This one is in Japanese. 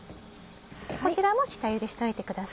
こちらも下ゆでしといてください。